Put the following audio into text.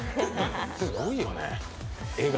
すごいよね、画が。